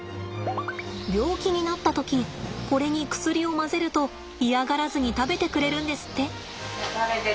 病気になった時これに薬を混ぜると嫌がらずに食べてくれるんですって。